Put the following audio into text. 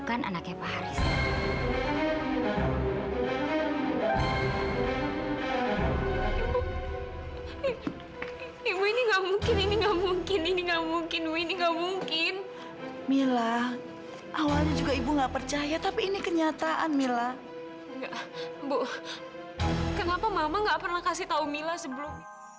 kenapa mama enggak pernah kasih tahu mila sebelum